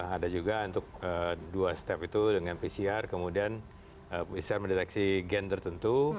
ada juga untuk dua step itu dengan pcr kemudian pcr mendeteksi gen tertentu